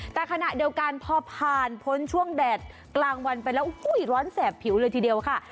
แต่ขณะเดียวกันพอผ่านพ้นช่วงแดดกลางวันไปแล้วร้อนแสบผิวเลยทีเดียวค่ะ